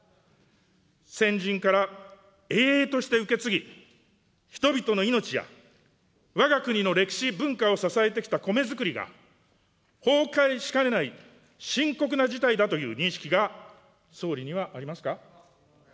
先人から営々として受け継ぎ、人々の命やわが国の歴史、文化を支えてきたコメづくりが崩壊しかねない深刻な事態だという認識が総理にはありますか。